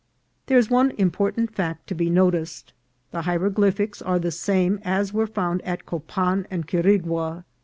There is one important fact to be noticed. The hie roglyphics are the same as were found at Copan and Qui rigua.